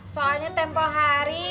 soalnya tempoh hari